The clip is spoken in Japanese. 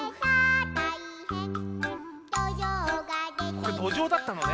これどじょうだったのね。